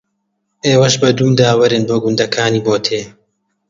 ئێوەش بە دوومدا وەرن بۆ گوندەکانی بۆتێ